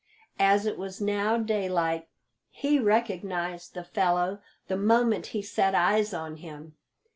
As it was now daylight, he recognised the fellow the moment he set eyes on him.